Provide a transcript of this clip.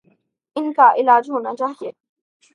ان کا علاج ہونا چاہیے۔